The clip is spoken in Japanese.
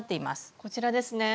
こちらですね。